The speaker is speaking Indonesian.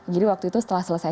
waktu itu setelah selesai